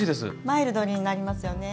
マイルドになりますよね。